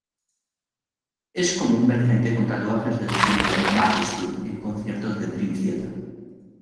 Es común ver gente con tatuajes del símbolo "Majesty" en conciertos de "Dream Theater".